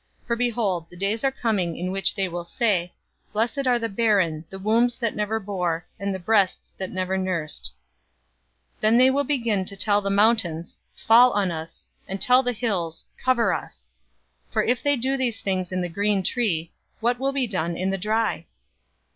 023:029 For behold, the days are coming in which they will say, 'Blessed are the barren, the wombs that never bore, and the breasts that never nursed.' 023:030 Then they will begin to tell the mountains, 'Fall on us!' and tell the hills, 'Cover us.'{Hosea 10:8} 023:031 For if they do these things in the green tree, what will be done in the dry?"